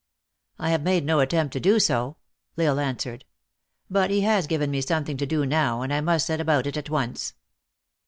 " I have made no attempt to do so," L Isle an swered. "But he has given me some thing to do now, and I must set about it at once."